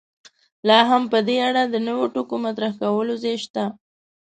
لا هم په دې اړه د نویو ټکو مطرح کولو ځای شته.